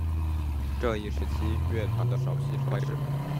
这一时期乐团的首席指挥是。